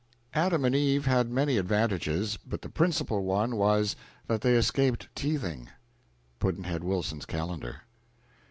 Adam and Eve had many advantages, but the principal one was, that they escaped teething. Pudd'nhead Wilson's Calendar.